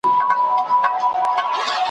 نصیب درکړې داسي لمن ده ,